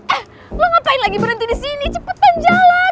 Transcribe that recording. eh mau ngapain lagi berhenti di sini cepetan jalan